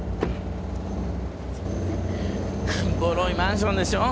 ボロいマンションでしょ？